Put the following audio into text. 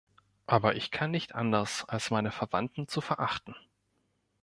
Aber ich kann nicht anders, als meine Verwandten zu verachten.